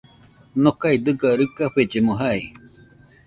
Nokae dɨga ruikafellemo jai